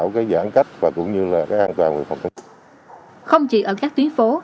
không chỉ ở các tuyến phố